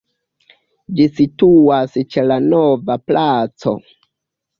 Ĝi situas ĉe la Nova Placo.